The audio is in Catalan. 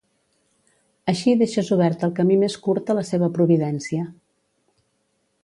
Així deixes obert el camí més curt a la seva providència.